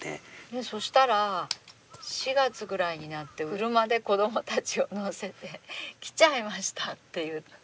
そしたら４月ぐらいになって車で子どもたちを乗せて「来ちゃいました」って言って。